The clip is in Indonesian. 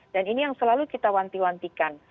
dan ini yang selalu kita wanti wantikan